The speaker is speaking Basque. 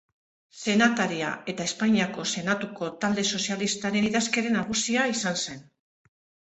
Senataria eta Espainiako Senatuko Talde Sozialistaren idazkari nagusia izan zen.